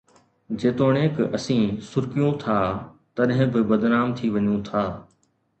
جيتوڻيڪ اسين سُرڪيون ٿا، تڏهن به بدنام ٿي وڃون ٿا.